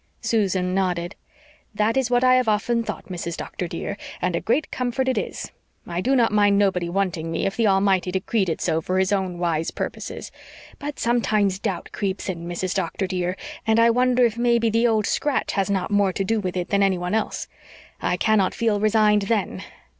Susan nodded. "That is what I have often thought, Mrs. Doctor, dear, and a great comfort it is. I do not mind nobody wanting me if the Almighty decreed it so for His own wise purposes. But sometimes doubt creeps in, Mrs. Doctor, dear, and I wonder if maybe the Old Scratch has not more to do with it than anyone else. I cannot feel resigned THEN.